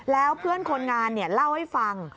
แล้วเพื่อนคนงานเล่าให้ฟัง